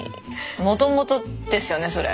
もともとですよねそれ。